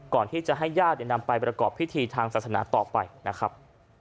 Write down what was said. ก่อนที่จะให้ญาตินำไปประกอบพิธีทางศาสนาต่อไปนะครับ